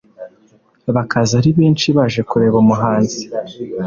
bakaza ari benshi baje kureba umuhanzi.